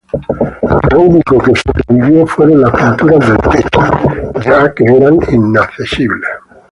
Lo único que sobrevivió fueron las pinturas del techo ya que eran inaccesibles.